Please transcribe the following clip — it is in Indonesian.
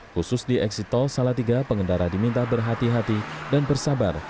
khusus di eksit tol salatiga pengendara diminta berhati hati dan bersabar